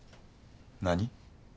何？